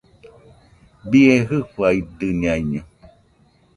¡Bie jɨfaidɨñaino!